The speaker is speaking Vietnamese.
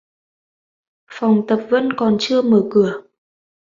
Phòng tập vẫn còn chưa mở cửa